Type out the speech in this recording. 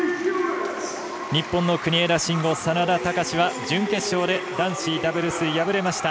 日本の国枝慎吾、眞田卓は準決勝で男子ダブルス敗れました。